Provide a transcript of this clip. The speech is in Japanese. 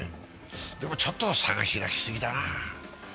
でも、ちょっと差が開きすぎだな。